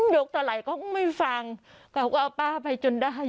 เท่าไหร่เขาก็ไม่ฟังเขาก็เอาป้าไปจนได้